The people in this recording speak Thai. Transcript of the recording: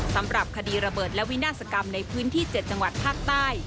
สำหรับคดีระเบิดและวินาศกรรมในพื้นที่๗จังหวัดภาคใต้